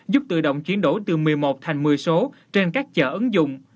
giúp tự động chuyển đổi từ một mươi một thành một mươi số trên các chợ ứng dụng